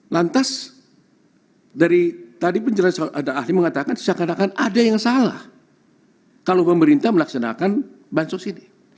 lantas dari tadi penjelasan ada ahli mengatakan seakan akan ada yang salah kalau pemerintah melaksanakan bansos ini